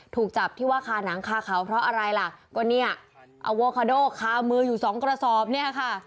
ถูกจับที่ว่าคาหนังคาเขาเพราะอะไรล่ะก็เนี่ยเอาโวคาโดคามืออยู่สองกระสอบเนี่ยค่ะ